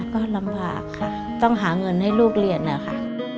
ก็ลำบากค่ะต้องหาเงินให้ลูกเรียนนะคะ